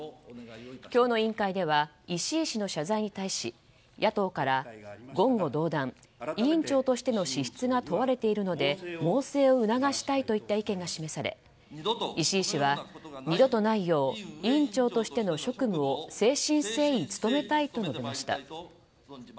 今日の委員会では石井氏の謝罪に対し野党から、言語道断委員長としての資質が問われているので猛省を促したいといった意見が示され石井氏は二度とないよう委員長としての職務を誠心誠意務めたいと述べました。